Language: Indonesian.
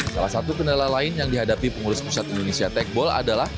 salah satu kendala lain yang dihadapi pengurus pusat indonesia techball adalah